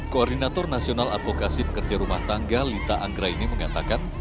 koordinator nasional advokasi pekerja rumah tangga lita anggra ini mengatakan